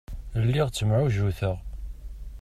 Lliɣ ttemɛujjuteɣ.